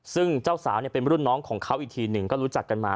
ซึ่งเจ้าสาวเป็นรุ่นน้องของเขาอีกทีหนึ่งก็รู้จักกันมา